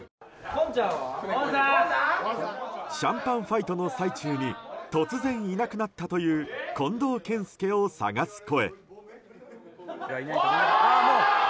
シャンパンファイトの最中に突然いなくなったという近藤健介を探す声。